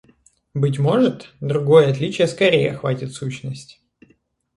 Быть может, другое отличие скорее охватит сущность.